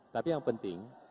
tapi yang penting